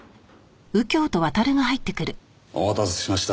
お待たせしました。